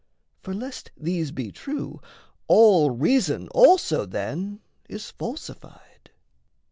For lest these be true, All reason also then is falsified.